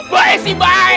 bae si bae